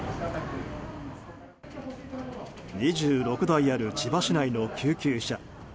２６台ある千葉市内の救急車。